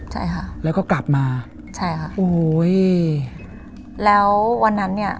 ใช่ค่ะแล้วก็กลับมาใช่ค่ะโอ้ยแล้ววันนั้นเนี้ย